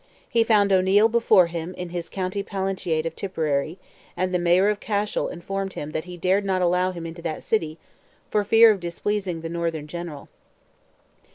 He found O'Neil before him in his county palatinate of Tipperary, and the Mayor of Cashel informed him that he dared not allow him into that city, for fear of displeasing the northern general.